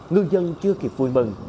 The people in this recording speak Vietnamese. ngư dân chưa kịp vui mừng